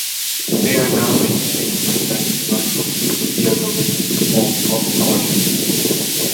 They are now maintained by Danny Reinhold via the Little Smalltalk project.